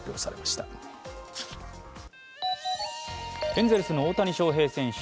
エンゼルスの大谷翔平選手